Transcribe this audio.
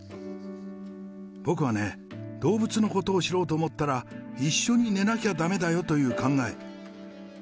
僕はね、動物のことを知ろうと思ったら、一緒に寝なきゃだめだよという考え。